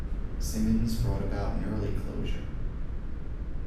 Simmons brought about an early closure..